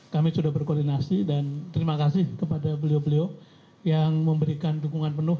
kami sudah berkoordinasi dan terima kasih kepada beliau beliau yang memberikan dukungan penuh